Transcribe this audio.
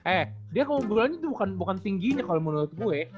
eh dia kalo gue bilangnya itu bukan tingginya kalo menurut gue